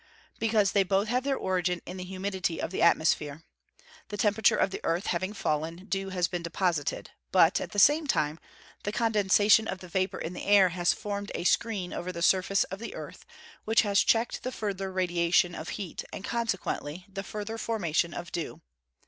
_ Because they both have their origin in the humidity of the atmosphere. The temperature of the earth having fallen, dew has been deposited; but, at the same time, the condensation of the vapour in the air has formed a screen over the surface of the earth, which has checked the further radiation of heat, and, consequently, the further formation of dew.